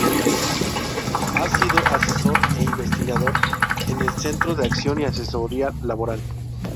Ha sido asesor e investigador en el Centro de Acción y Asesoría Laboral.